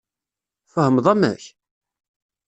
Tfehmeḍ amek?